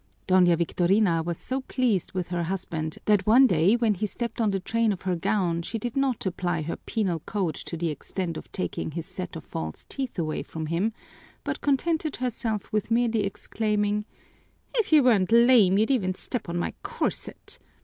Doña Victorina was so pleased with her husband that one day when he stepped on the train of her gown she did not apply her penal code to the extent of taking his set of false teeth away from him, but contented herself with merely exclaiming, "If you weren't lame you'd even step on my corset!"